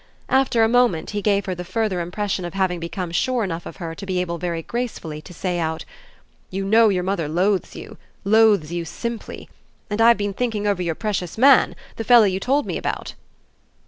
After a moment he gave her the further impression of having become sure enough of her to be able very gracefully to say out: "You know your mother loathes you, loathes you simply. And I've been thinking over your precious man the fellow you told me about."